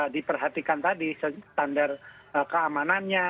diperhatikan tadi standar keamanannya